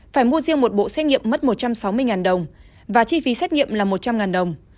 phải mua riêng một bộ xét nghiệm mất một trăm sáu mươi đồng và chi phí xét nghiệm là một trăm linh đồng